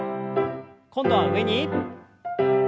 今度は上に。